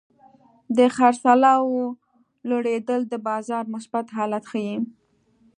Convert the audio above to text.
د خرڅلاو لوړېدل د بازار مثبت حالت ښيي.